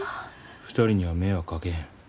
２人には迷惑かけへん。